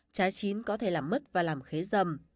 trái chín có thể làm mứt và làm khế dầm